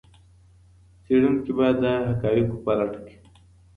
څېړونکی باید د حقایقو په لټه کې وي.